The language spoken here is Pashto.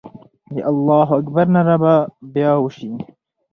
د الله اکبر ناره به بیا وسي.